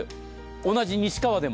同じ西川でも。